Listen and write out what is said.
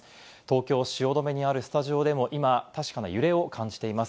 東京・汐留にあるスタジオでも今確かな揺れを感じています。